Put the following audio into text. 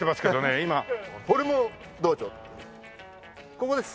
ここです。